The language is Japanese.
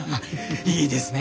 いいですね